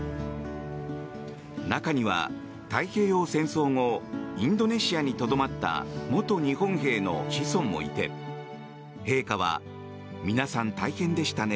中には太平洋戦争後インドネシアにとどまった元日本兵の子孫もいて陛下は、皆さん大変でしたね